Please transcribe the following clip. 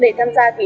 để tham gia kỳ thi